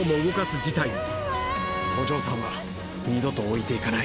お嬢さんは二度と置いていかない。